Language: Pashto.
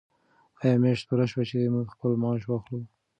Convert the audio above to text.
آیا میاشت پوره شوه چې موږ خپل معاش واخلو؟